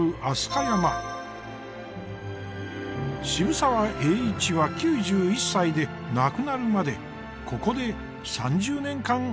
渋沢栄一は９１歳で亡くなるまでここで３０年間暮らしました。